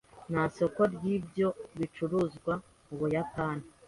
Nta soko ryibyo bicuruzwa mubuyapani